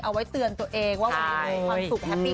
เอาไว้เตือนตัวเองว่าวันนี้มีความสุขแฮปปี้